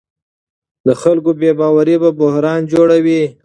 د خلکو بې باوري بحران جوړوي